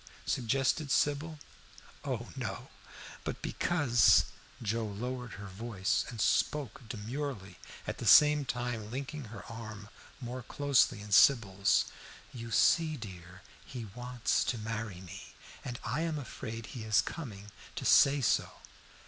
suggested Sybil. "Oh no! But because" Joe lowered her voice and spoke demurely, at the same time linking her arm more closely in Sybil's. "You see, dear, he wants to marry me, and I am afraid he is coming to say so."